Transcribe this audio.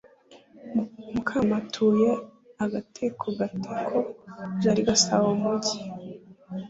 mukamugema utuye agatekoagateko jali gasabo umujyi